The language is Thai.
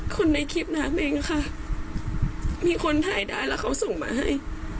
ในคลิปน้ำเองค่ะมีคนถ่ายได้แล้วเขาส่งมาให้